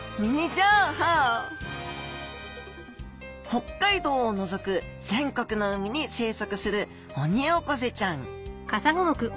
北海道を除く全国の海に生息するオニオコゼちゃん